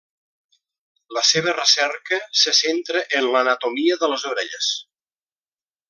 La seva recerca se centra en l'anatomia de les orelles.